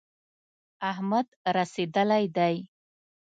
احمد رسېدلی دی.